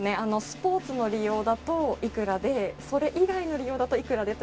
スポーツの利用だといくらでそれ以外の利用だといくらで。